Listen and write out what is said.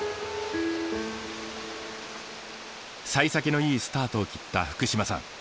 幸先のいいスタートを切った福島さん。